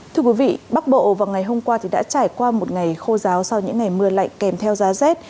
thưa quý vị bắc bộ vào ngày hôm qua đã trải qua một ngày khô giáo sau những ngày mưa lạnh kèm theo giá rét